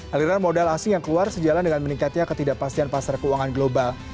aliran modal asing yang keluar sejalan dengan meningkatnya ketidakpastian pasar keuangan global